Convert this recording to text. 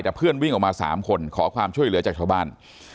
แต่เพื่อนวิ่งออกมา๓คนขอความช่วยเหลือจากชาวบ้าน